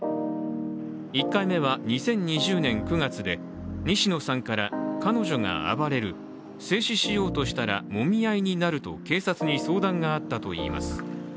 １回目は２０２０年９月で、西野さんから、彼女が暴れる制止しようとしたらもみ合いになると警察に相談があったといいます。